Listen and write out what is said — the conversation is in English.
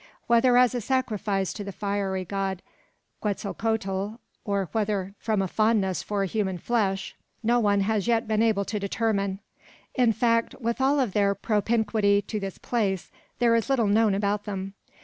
Whether as a sacrifice to the fiery god Quetzalcoatl, or whether from a fondness lor human flesh, no one has yet been able to determine. In fact, with all their propinquity to this place, there is little known about them.